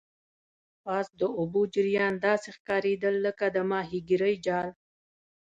پاس د اوبو جریان داسې ښکاریدل لکه د ماهیګرۍ جال.